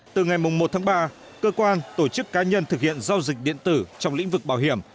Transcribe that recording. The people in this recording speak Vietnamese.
từ ngày một tháng ba cơ quan tổ chức cá nhân thực hiện giao dịch điện tử trong lĩnh vực bảo hiểm